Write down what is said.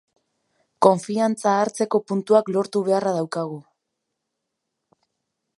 Konfiantza hartzeko puntuak lortu beharra daukagu.